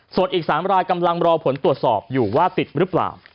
ส่วนอีก๓รายกำลังรอผลตรวจสอบอยู่ว่าติดหรือเปล่า